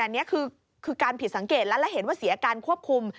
อันนี้คือการผิดสังเกตแล้วและเห็นว่าเสียการควบคุม